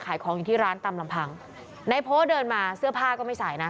ขายของอยู่ที่ร้านตามลำพังในโพสต์เดินมาเสื้อผ้าก็ไม่ใส่นะ